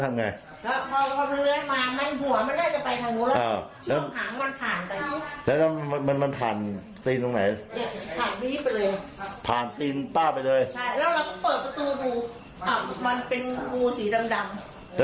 ก็เลยปิดประตูห้องน้ำไว้ก็เลยโทรเรียกลูกมา